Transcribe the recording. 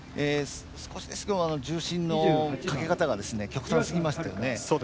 少しですが、重心のかけ方が極端すぎましたよね。